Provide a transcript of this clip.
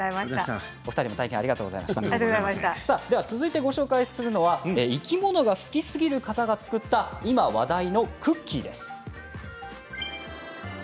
続いてご紹介するのは生き物が好きすぎる方が作ったクッキーです。